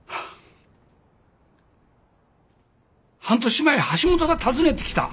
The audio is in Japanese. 半年前橋本が訪ねてきた。